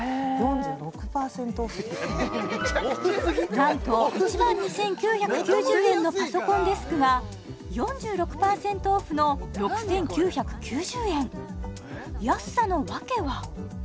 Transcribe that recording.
なんと１万２９９０円のパソコンデスクが４６％オフの６９９０円安さのわけは？